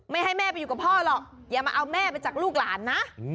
ให้แม่ไปอยู่กับพ่อหรอกอย่ามาเอาแม่ไปจากลูกหลานนะ